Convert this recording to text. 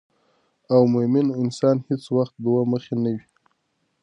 او مومن انسان هیڅ وخت دوه مخې نه وي